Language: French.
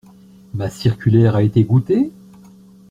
Ma circulaire a été goûtée ?